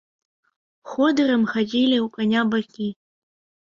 Ходырам хадзілі ў каня бакі.